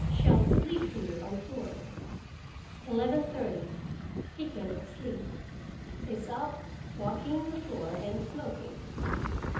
Shall sleep here on floor. 11:30 He can not sleep. Is up walking the floor and smoking.